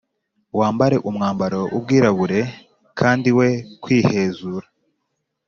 wambare umwambaro w’ubwirabure kandi we kwihezura